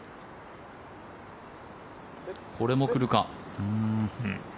これも来るか。